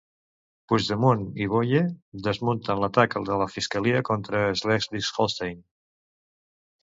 Puigdemont i Boye desmunten l'atac de la fiscalia contra Slesvig-Holstein.